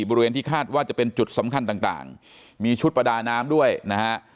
บริเวณที่คาดว่าจะเป็นจุดสำคัญต่างมีชุดประดาน้ำด้วยนะฮะ